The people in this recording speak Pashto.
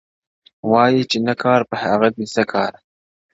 وايی چي نه کار په هغه څه کار -